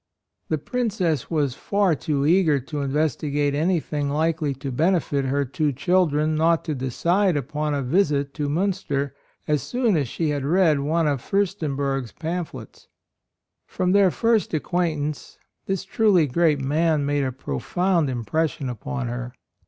The Princess was far too eager to investigate anything likely to benefit her two children not to decide upon a visit to Minister as soon as she had read one of Fiirstenberg's pamphlets. From their first acquaintance this truly great man made a pro found impression upon her.